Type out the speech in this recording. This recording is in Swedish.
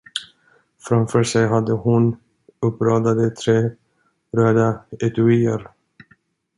Framför sig hade hon uppradade tre röda etuier.